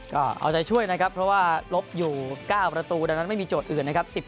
ก็เอาใจช่วยนะครับเพราะว่าลบอยู่๙ประตูดังนั้นไม่มีโจทย์อื่นนะครับ